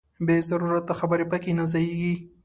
بې ضرورته خبرې پکې نه ځاییږي.